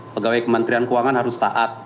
pegawai kementerian keuangan harus taat